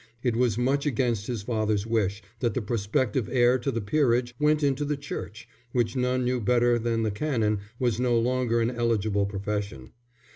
It was much against his father's wish that the prospective heir to the peerage went into the Church, which none knew better than the Canon was no longer an eligible profession.